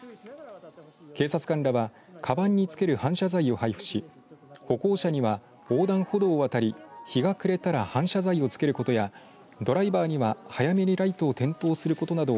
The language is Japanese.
警察官らはかばんに付ける反射材を配布し歩行者には横断歩道を渡り日が暮れたら反射材を付けることやドライバーには早めにライトを点灯することなどを